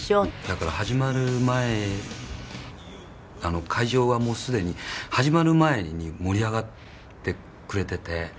だから、始まる前会場は、もうすでに始まる前に盛り上がってくれてて。